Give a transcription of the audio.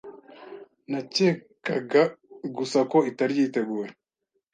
Nakekaga gusa ko itari yiteguye.